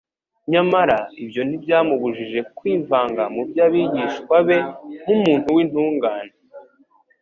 Nyamara, ibyo ntibyamubujije kwivanga mu by'abigishwa be, nk'umuntu w'intungane,